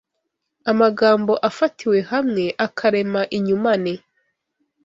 Amagambo afatiwe hamwe akarema inyumane